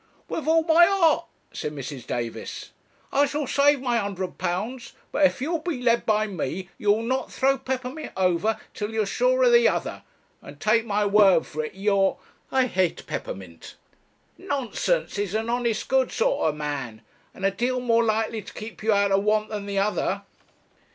'With all my heart,' said Mrs. Davis; 'I shall save my hundred pounds: but if you'll be led by me you'll not throw Peppermint over till you're sure of the other; and, take my word for it, you're ' 'I hate Peppermint.' 'Nonsense; he's an honest good sort of man, and a deal more likely to keep you out of want than the other.'